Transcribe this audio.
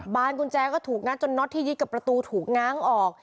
กุญแจก็ถูกงัดจนน็อตที่ยึดกับประตูถูกง้างออก